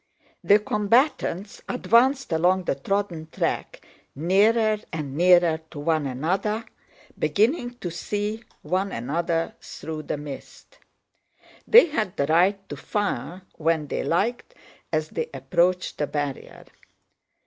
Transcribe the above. The combatants advanced along the trodden tracks, nearer and nearer to one another, beginning to see one another through the mist. They had the right to fire when they liked as they approached the barrier.